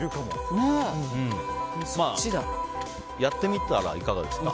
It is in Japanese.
まあやってみたらいかがですか。